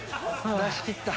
出しきった。